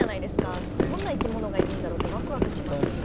どんないきものがいるんだろうってわくわくしますよね。